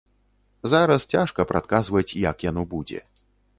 Зараз цяжка прадказваць, як яно будзе.